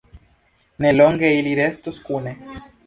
Ne longe ili restos kune.